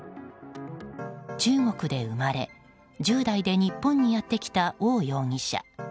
中国で生まれ、１０代で日本にやってきたオウ容疑者。